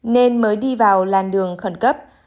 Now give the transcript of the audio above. nên mới đi vào làn đường khẩn cấp